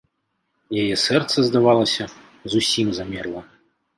Яе сэрца, здавалася, зусім замерла.